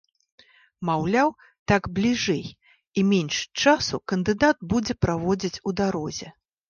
Маўляў, так бліжэй і менш часу кандыдат будзе праводзіць у дарозе.